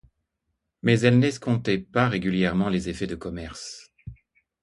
Mais elle n'escomptait pas régulièrement les effets de commerce.